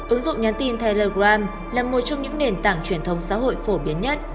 ứng dụng nhắn tin telegram là một trong những nền tảng truyền thông xã hội phổ biến nhất